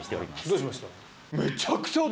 どうしました？